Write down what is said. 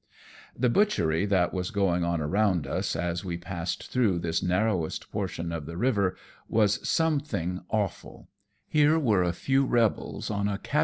The butchery that was going on around us, as we passed through this narrowest portion of the river, was something awful ; here were a few rebels on a cata TO NINGPO.